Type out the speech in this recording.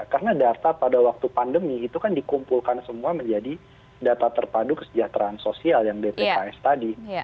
karena data pada waktu pandemi itu kan dikumpulkan semua menjadi data terpadu kesejahteraan sosial yang dtpas tadi